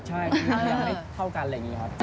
ใช่อย่างนี้เท่ากันอะไรอย่างนี้ค่ะ